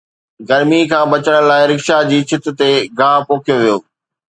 گرميءَ کان بچڻ لاءِ رڪشا جي ڇت تي گاهه پوکيو ويو